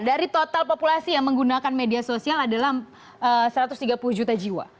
dari total populasi yang menggunakan media sosial adalah satu ratus tiga puluh juta jiwa